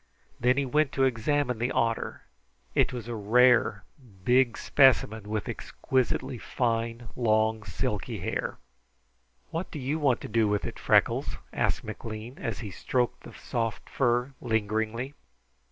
Then he went to examine the otter. It was a rare, big specimen, with exquisitely fine, long, silky hair. "What do you want to do with it, Freckles?" asked McLean, as he stroked the soft fur lingeringly.